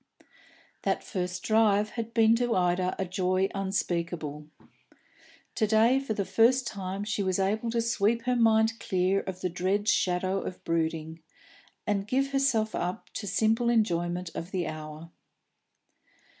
That first drive had been to Ida a joy unspeakable. To day for the first time she was able to sweep her mind clear of the dread shadow of brooding, and give herself up to simple enjoyment of the hour.